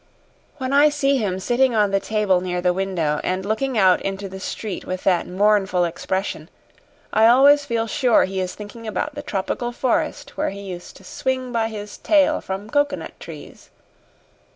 When I see him sitting on the table near the window and looking out into the street with that mournful expression, I always feel sure he is thinking about the tropical forest where he used to swing by his tail from coconut trees.